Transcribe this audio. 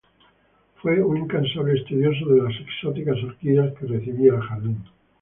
Fue un incansable estudioso de las exóticas orquídeas que recibía el Jardín.